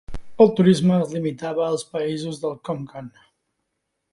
El turisme es limitava als països del Comecon.